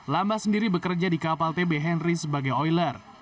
lamba sendiri bekerja di kapal tb henry sebagai oiler